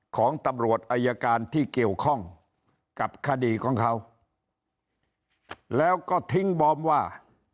ของตำรวจอายการที่เกี่ยวข้องกับคดีของเขาแล้วก็ทิ้งบอมว่า